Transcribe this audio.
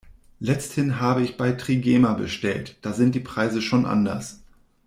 Letzthin habe ich bei Trigema bestellt, da sind die Preise schon anders.